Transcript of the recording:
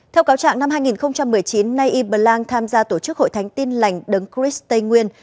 theo cáo trạng năm hai nghìn một mươi chín nay y bờ lang tham gia tổ chức hội thánh tin lành đấng chris tây nguyên